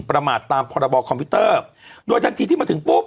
ประมาทตามม